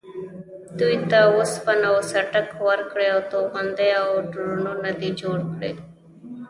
دوی ته وسپنه و څټک ورکړې او توغندي او ډرونونه دې جوړ کړي.